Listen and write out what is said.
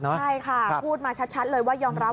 ใช่ค่ะพูดมาชัดเลยว่ายอมรับ